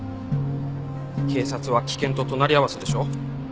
警察は危険と隣り合わせでしょう？